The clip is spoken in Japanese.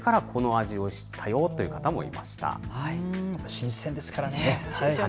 新鮮ですからね。